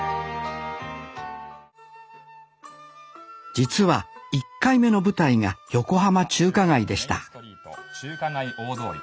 実は１回目の舞台が横浜中華街でした中華街大通り。